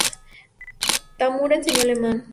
Tamura enseñó alemán.